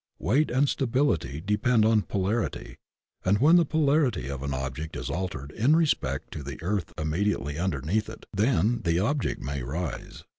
Wei^t and sta bility depend on polarity, and when the polarity of an object is altered in respect to the earth immediately underneath it, then the object may rise.